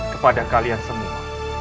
kepada kalian semua